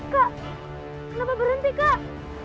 kak kenapa berhenti kak